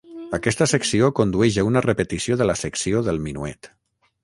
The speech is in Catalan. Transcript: Aquesta secció condueix a una repetició de la secció del minuet.